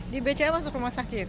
di bca masuk rumah sakit